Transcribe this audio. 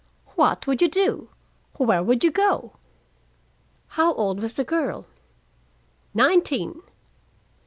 What would you do? Where would you go?" "How old was the girl?" "Nineteen."